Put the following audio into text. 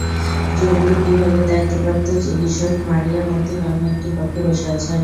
জরুরি বিভাগের দায়িত্বপ্রাপ্ত চিকিৎসক মারিয়া মতিন অন্য একটি কক্ষে বসে আছেন।